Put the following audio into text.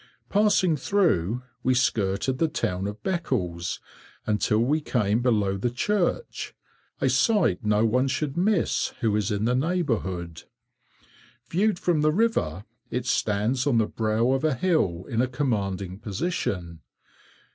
Passing through, we skirted the town of Beccles, until we came below the church, a sight no one should miss who is in the neighbourhood. Viewed from the river, it stands on the brow of a hill, in a commanding position.